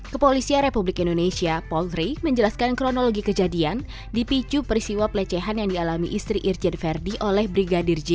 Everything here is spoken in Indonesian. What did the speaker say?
kepolisian republik indonesia polri menjelaskan kronologi kejadian dipicu peristiwa pelecehan yang dialami istri irjen verdi oleh brigadir j